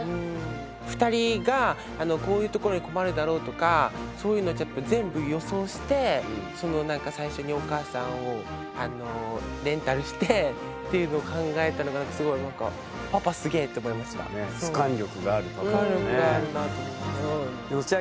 ２人がこういうところに困るだろうとかそういうの全部予想して最初にお母さんをレンタルしてっていうのを考えたのがすごい何か俯瞰力があるパパだね。